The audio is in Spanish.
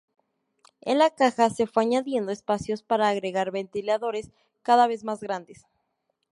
En la caja se fue añadiendo espacio para agregar ventiladores, cada vez más grandes.